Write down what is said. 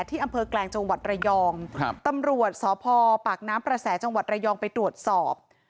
ที่อำเภอแกลงจังหวัดระยองครับตำรวจสพปากน้ำประแสจังหวัดระยองไปตรวจสอบ